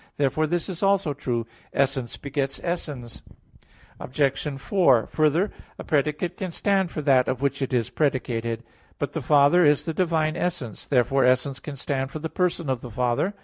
Therefore this is also true: "Essence begets essence." Obj. 4: Further, a predicate can stand for that of which it is predicated. But the Father is the divine essence; therefore essence can stand for the person of the Father.